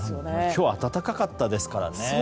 今日暖かかったですからね。